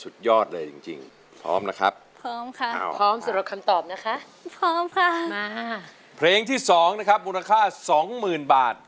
เด็กที่สองมูลค่าสองหมื่นบาท